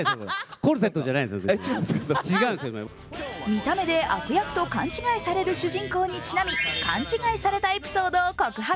見た目で悪役と勘違いされる主人公にちなみ、勘違いされたエピソードを告白。